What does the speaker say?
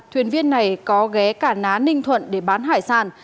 thuyền viên này có ghé cả ná ninh thuận để bán hải sản